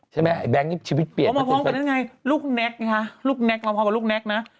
ใช่มั้ยแบงก์ชีวิตเปลี่ยน